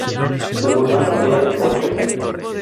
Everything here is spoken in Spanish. Su formato era en folio.